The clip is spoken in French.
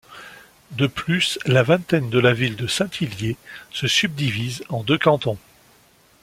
De plus, la Vingtaine de la Ville de Saint-Hélier se subdivise en deux cantons.